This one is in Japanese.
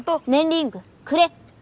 リングくれ。